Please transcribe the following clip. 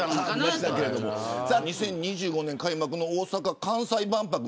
２０２５年開幕の大阪・関西万博